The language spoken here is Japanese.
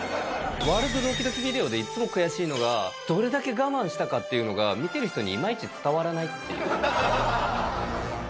ワールドドキドキビデオでいっつも悔しいのが、どれだけ我慢したかっていうのが見てる人にいまいち伝わらないっていう。